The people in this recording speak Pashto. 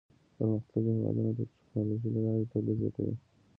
پرمختللي هېوادونه د ټکنالوژۍ له لارې تولید زیاتوي.